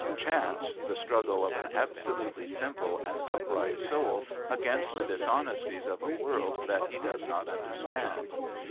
Chance, the struggle of an absolutely simple and upright soul against the dishonesties of a world that he does not understand.